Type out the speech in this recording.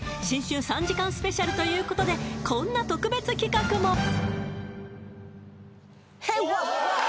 新春３時間スペシャルということでこんな特別企画も！